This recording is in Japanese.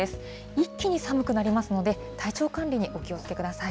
一気に寒くなりますので、体調管理にお気をつけください。